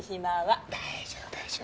大丈夫大丈夫。